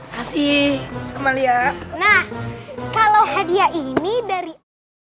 masih kemali ya nah kalau hadiah ini dari